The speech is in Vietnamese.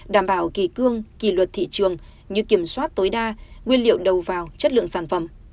đảm bảo kỳ cương kỳ luật thị trường như kiểm soát tối đa nguyên liệu đầu vào chất lượng sản phẩm